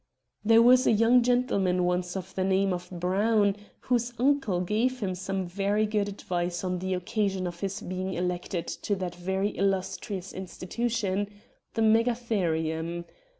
There was a young gentleman once of the name of Brown whose uncle grave him some very good advice on the occasion of his being elected to that very illustrious institution, the Megatherium.